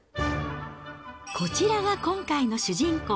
こちらが今回の主人公。